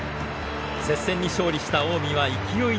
接戦に勝利した近江は勢いに乗り